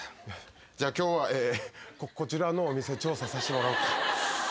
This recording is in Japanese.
じゃあ今日はこちらのお店調査させてもらおうか。